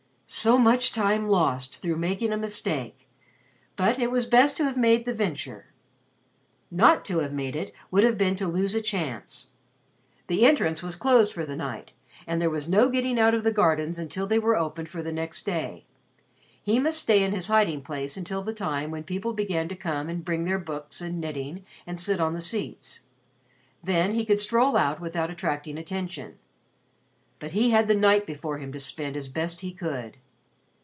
So much time lost through making a mistake but it was best to have made the venture. Not to have made it would have been to lose a chance. The entrance was closed for the night and there was no getting out of the gardens until they were opened for the next day. He must stay in his hiding place until the time when people began to come and bring their books and knitting and sit on the seats. Then he could stroll out without attracting attention. But he had the night before him to spend as best he could.